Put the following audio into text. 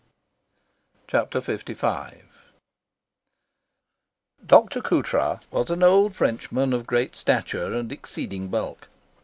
Chapter LV Mr. Coutras was an old Frenchman of great stature and exceeding bulk.